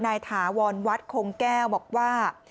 นายถาวรวัฒน์ศรีโครงแก้วบอกว่า